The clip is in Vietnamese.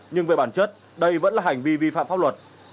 nhưng về bản chất đây vẫn là hành vi vi phạm pháp luật